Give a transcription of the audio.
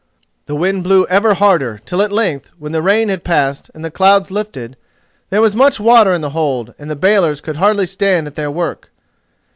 The wind blew ever harder, till at length, when the rain had passed and the clouds lifted, there was much water in the hold and the bailers could hardly stand at their work.